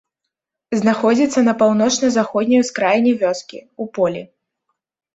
Знаходзіцца на паўночна-заходняй ускраіне вёскі, у полі.